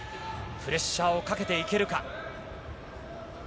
プレッシャーをかけていけるか。